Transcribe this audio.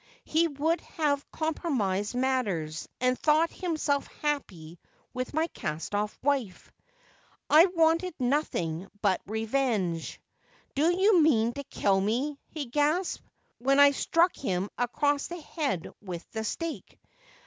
He would have compromised matters, and thought himself happy with my cast off wife. I wanted nothing but revenge. " Do you mean to kill me 1 " he gasped, when I struck him across the head with the stake.